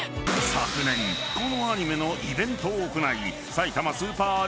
［昨年このアニメのイベントを行い］